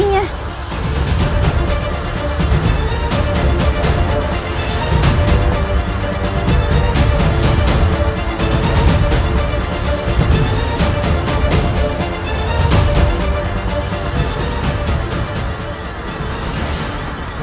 kau mencari dua blati